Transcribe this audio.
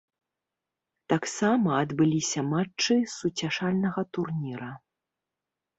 Таксама адбыліся мачты суцяшальнага турніра.